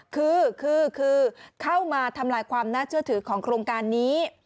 คือคือเข้ามาทำลายความน่าเชื่อถือของโครงการนี้